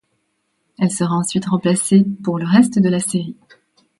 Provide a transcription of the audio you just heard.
Elle sera ensuite remplacée pour le reste de la série.